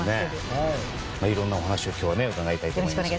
いろんなお話を今日は伺いたいと思います。